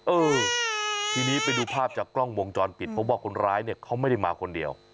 เออทีนี้ไปดูภาพจากกล้องวงจรปิดเพราะว่าคนร้ายเนี่ยเขาไม่ได้มาคนเดียว